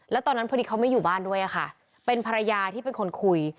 แล้วตอนนั้นพอดีเขาไม่อยู่บ้านด้วยค่ะเป็นภรรยาที่เป็นคนคุย